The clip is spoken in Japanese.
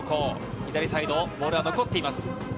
左サイド、ボールは残っています。